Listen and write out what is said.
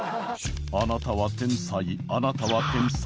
あなたは天才あなたは天才。